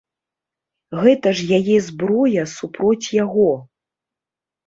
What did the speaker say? Гэта ж яе зброя супроць яго.